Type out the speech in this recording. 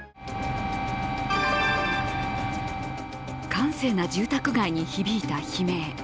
閑静な住宅街に響いた悲鳴。